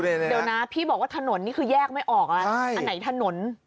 เดี๋ยวนะพี่บอกว่าถนนนี่คือแยกไม่ออกแล้วอันไหนถนน